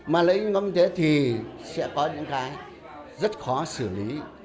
mà lợi ích nhóm về kinh tế thì sẽ có những cái rất khó xử lý